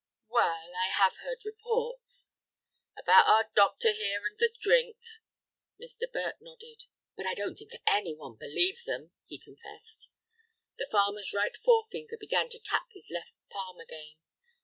"Well, I have heard reports." "About our doctor here and the drink?" Mr. Burt nodded. "But I don't think anyone believed them," he confessed. The farmer's right forefinger began to tap his left palm again.